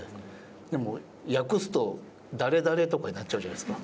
でも略すと「誰誰」とかになっちゃうじゃないですか。